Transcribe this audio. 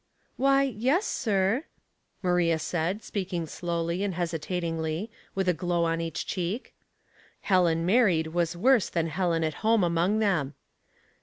"'' Why, yes, sir," Maria said, speaking slowly and hesitatingly, with a glow on each cheek. Helen married was worse than Helen at home among them.